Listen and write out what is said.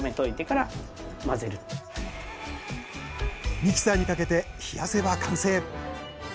ミキサーにかけて冷やせば完成。